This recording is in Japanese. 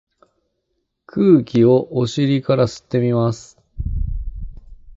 空気をお尻から吸ってみます。